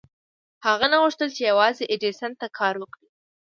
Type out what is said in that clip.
هغه نه غوښتل چې يوازې ايډېسن ته کار وکړي.